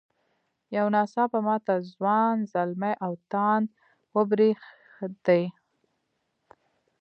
یو نا څاپه ماته ځوان زلمي او تاند وبرېښدې.